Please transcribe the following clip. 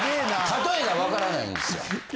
・例えがわからないんですよ。